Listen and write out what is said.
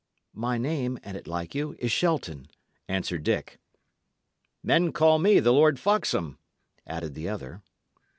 "My name, an't like you, is Shelton," answered Dick. "Men call me the Lord Foxham," added the other.